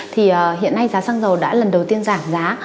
thì hiện nay giá xăng dầu đã lần đầu tiên giảm giá